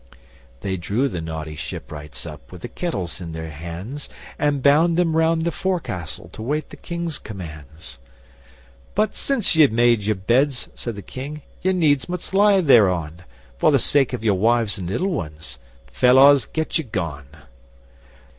They drew the naughty shipwrights up, with the kettles in their hands, And bound them round the forecastle to wait the King's commands. But 'Since ye have made your beds,' said the King, 'ye needs must lie thereon. For the sake of your wives and little ones felawes, get you gone!